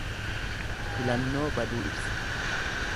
Filannoo baduu ibsa.